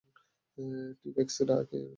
T-rex টা এখানে?